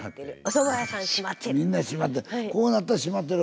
みんな閉まってる。